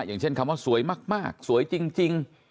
อย่างเช่นคำว่าสวยมากสวยจริง